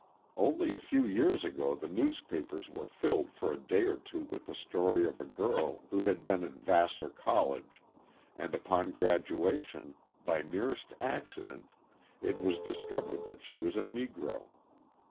Only a few years ago the newspapers were filled for a day or two with the story of a girl who had been at Vassar College, and upon graduation by merest accident it was discovered that she was a Negro.